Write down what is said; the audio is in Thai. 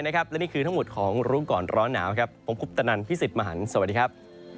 และนี่คือทั้งหมดของรู้ก่อนร้อนหนาวครับผมคุปตนันพี่สิทธิ์มหันฯสวัสดีครับ